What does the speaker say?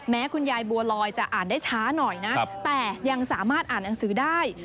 คุณยายบัวลอยจะอ่านได้ช้าหน่อยนะแต่ยังสามารถอ่านหนังสือได้